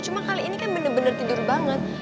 cuma kali ini kan bener bener tidur banget